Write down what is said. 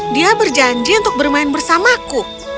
dia berjanji untuk bermain bersamaku